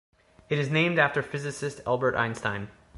It is named after physicist Albert Einstein.